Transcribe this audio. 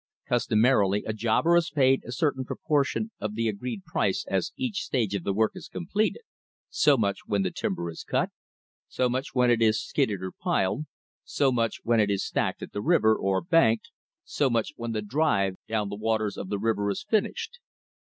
Customarily a jobber is paid a certain proportion of the agreed price as each stage of the work is completed so much when the timber is cut; so much when it is skidded, or piled; so much when it is stacked at the river, or banked; so much when the "drive" down the waters of the river is finished.